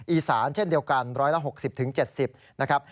เช่นเดียวกัน๑๖๐๗๐นะครับ